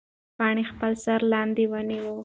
پاڼې خپل سر لاندې ونیوه.